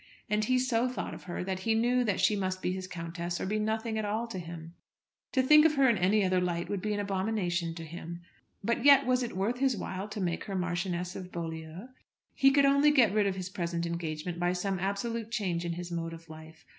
And he so thought of her that he knew that she must be his countess or be nothing at all to him. To think of her in any other light would be an abomination to him. But yet, was it worth his while to make her Marchioness of Beaulieu? He could only get rid of his present engagement by some absolute change in his mode of life.